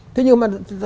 thế nhưng mà